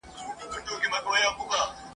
پوهه د بریا کلید دی.